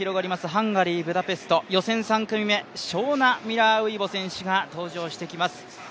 ハンガリー・ブダペスト予選３組目、ショウナ・ミラーウイボ選手が登場してきます。